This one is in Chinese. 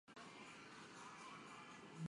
主要作为暖房或料理用途。